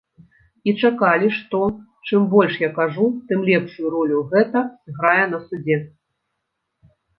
І чакалі, што, чым больш я кажу, тым лепшую ролю гэта сыграе на судзе.